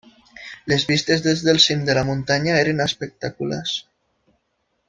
Les vistes des del cim de la muntanya eren espectaculars.